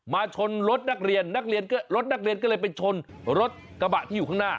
มาชนรถนักเรียนรถนักเรียนก็เลยไปชนรถกระบะที่อยู่ข้างหน้า